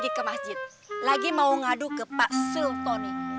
pergi ke masjid lagi mau ngadu ke pak sultoni